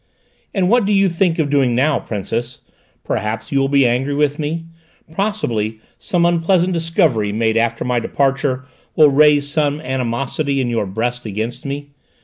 "And what do you think of doing now, Princess? Perhaps you will be angry with me? Possibly some unpleasant discovery, made after my departure, will raise some animosity in your breast against me?